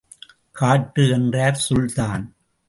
காட்டு! என்றார் சுல்தான்.